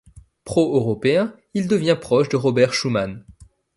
Pro-Européen, il devient proche de Robert Schuman.